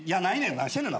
何してんねんな。